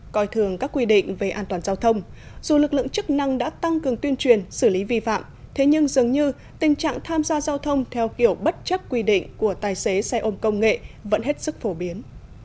coi thường các quy định về an toàn giao thông dù lực lượng chức năng đã tăng cường tuyên truyền xử lý vi phạm thế nhưng dường như tình trạng tham gia giao thông theo kiểu bất chấp quy định của tài xế xe ôm công nghệ vẫn hết sức phổ biến